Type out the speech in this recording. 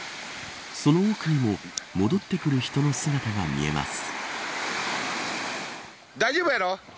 その奥にも戻ってくる人の姿が見えます。